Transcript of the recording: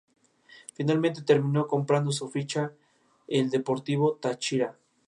Finalmente terminó comprando su ficha el Deportivo Táchira.